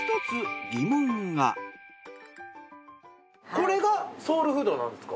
これがソウルフードなんですか？